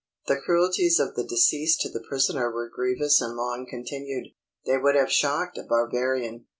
The cruelties of the deceased to the prisoner were grievous and long continued. They would have shocked a barbarian.